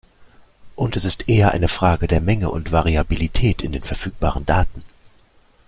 Und es ist eher eine Frage der Menge und Variabilität in den verfügbaren Daten.